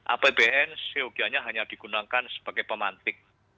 apbn seugianya hanya digunakan sebagai pemantik